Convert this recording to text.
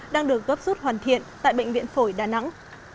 đang được gấp rút hoàn thiện tại bệnh viện phổi đà nẵng